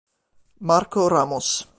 Marco Ramos